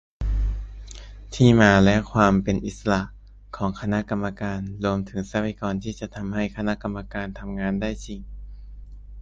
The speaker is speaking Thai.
ที่มาและความเป็นอิสระของคณะกรรมการ รวมถึงทรัพยากรที่จะทำให้คณะกรรมการทำงานได้จริง